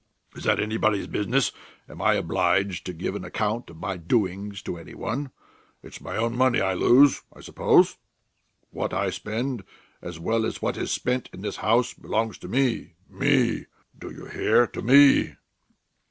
Is that anybody's business? Am I obliged to give an account of my doings to any one? It's my own money I lose, I suppose? What I spend as well as what is spent in this house belongs to me me. Do you hear? To me!"